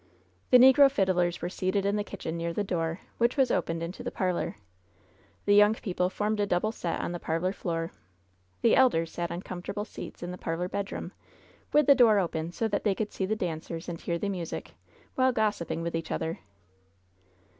The negro fiddlers were seated in the kitchen near the door, which was opened into the parlor. The young people formed a double set on the parlor floor. The elders sat on comfortable seats in the parlor bed room, with the door open, so that they cotdd see the dancers and hear the music, while gossiping with each other.